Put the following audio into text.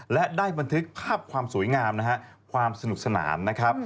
และได้บันทึกภาพความสวยงามนะฮะความสนุกสนานนะครับ